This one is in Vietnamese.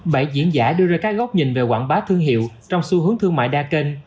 bảy diễn giả đưa ra các góc nhìn về quảng bá thương hiệu trong xu hướng thương mại đa kênh